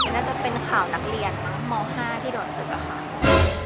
น่าจะเป็นข่าวนักเรียนมั้งม๕ที่โดนศึกอะค่ะ